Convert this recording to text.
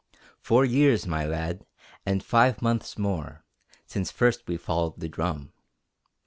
Four years, my lad, and five months more, Since first we followed the drum.